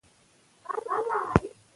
موږ په ګډه پښتو نړیواله کولای شو.